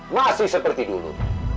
masih seperti dulu